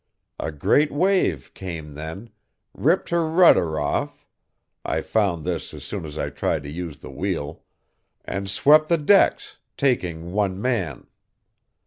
A great wave came then, ripped her rudder off (I found this as soon as I tried to use the wheel) and swept the decks, taking one man.